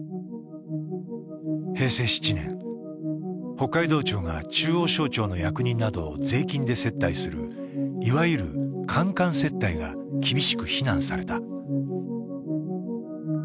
北海道庁が中央省庁の役人などを税金で接待するいわゆる官官接待が厳しく非難された。